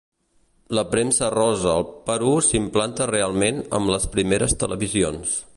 La premsa rosa al Perú s'implanta realment amb les primeres televisions.